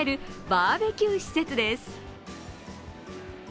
バーベキュー施設です。